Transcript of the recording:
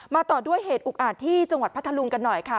ต่อด้วยเหตุอุกอาจที่จังหวัดพัทธลุงกันหน่อยค่ะ